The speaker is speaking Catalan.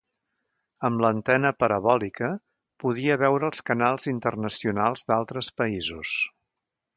Amb l’antena parabòlica podia veure els canals internacionals d’altres països.